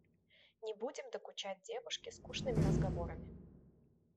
Не будем докучать девушке скучными разговорами.